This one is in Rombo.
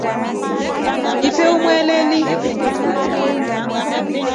Ife umweleli.